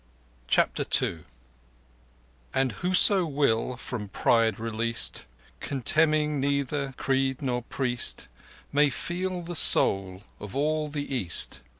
CHAPTER II And whoso will, from Pride released; Contemning neither creed nor priest, May feel the Soul of all the East.